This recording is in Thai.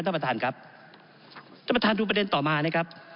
ท่านประธานครับท่านประธานดูประเด็นต่อมานะครับ